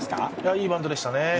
いいバントでしたね。